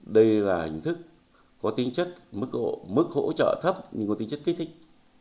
đây là hình thức có tính chất mức hỗ trợ thấp nhưng có tính chất kích thích